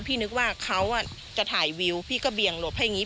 พี่นึกว่าเขาอ่ะจะถ่ายวิวพี่ก็เบียงหลบให้งี้